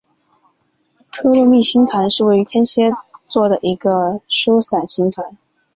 托勒密星团是位于天蝎座的一个疏散星团。